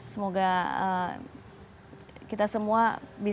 semoga kita semua berhasil